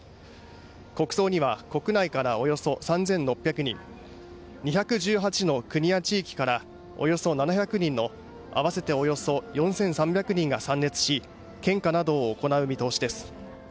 国葬には国内からおよそ３６００人、２１８の国や地域からおよそ７００人の合わせておよそ４３００人が参列し、献花などを行う見通しです。